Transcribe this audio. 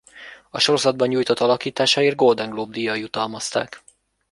A sorozatban nyújtott alakításáért Golden Globe-díjjal jutalmazták.